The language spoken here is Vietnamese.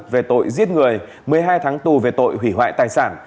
về tội giết người một mươi hai tháng tù về tội hủy hoại tài sản